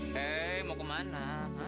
hei mau kemana